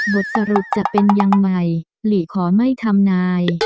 บทสรุปจะเป็นยังไงหลีขอไม่ทำนาย